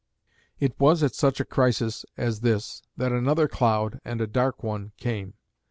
It was at such a crisis as this that another cloud, and a dark one, came.